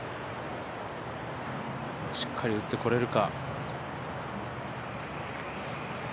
しっかり打ってこれるか。